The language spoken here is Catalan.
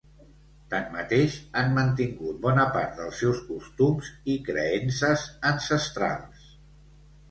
Tanmateix, han mantingut bona part dels seus costums i creences ancestrals.